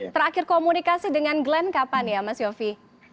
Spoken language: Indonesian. terakhir komunikasi dengan glenn kapan ya mas yofi